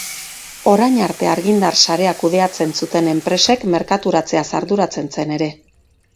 Orain arte argindar sarea kudeatzen zuten enpresek merkaturatzeaz arduratzen zen ere.